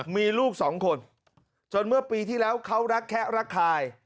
มีลูกสองคนจนเมื่อปีที่แล้วเขารักแคะรักคาย